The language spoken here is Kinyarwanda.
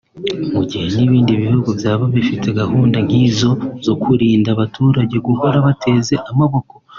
mu gihe n’ibindi bihugu byaba bifite gahunda nk’izo zo kurinda abaturage guhora bateze amaboko